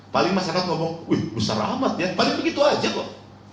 paling masyarakat ngomong wih besar amat ya paling begitu aja kok